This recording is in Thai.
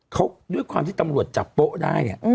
เขาด้วยความที่ตำรวจจับโป๊ะได้เนี่ย